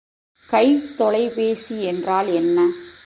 கைத்தொலைபேசி என்றால் என்ன?